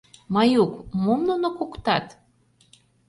Маюк, мом нуно куктат?